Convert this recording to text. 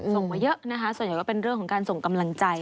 มาเยอะนะคะส่วนใหญ่ก็เป็นเรื่องของการส่งกำลังใจ